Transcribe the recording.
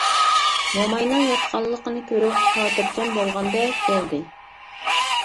موماينىڭ ياتقانلىقىنى كۆرۈپ خاتىرجەم بولغاندەك بولدى.